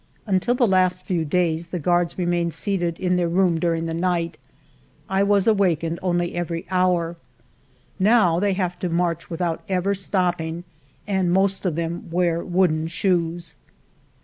Until the last ALFRED DREYFUS 201 few days the guards remained seated in their room during the night ; I was awakened only every hour. Now they have to march without ever stopping, and most of them wear wooden shoes.